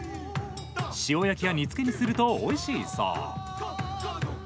塩焼きや煮つけにするとおいしいそう。